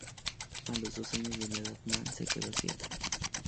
A los dos años de edad Mann se quedó ciega.